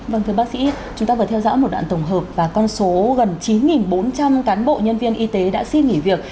vâng thưa bác sĩ chúng ta vừa theo dõi một đoạn tổng hợp và con số gần chín bốn trăm linh cán bộ nhân viên y tế đã xin nghỉ việc